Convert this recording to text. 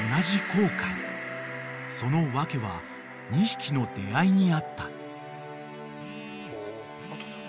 ［その訳は２匹の出合いにあった］